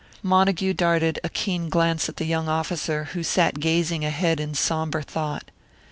Montague darted a keen glance at the young officer, who sat gazing ahead in sombre thought.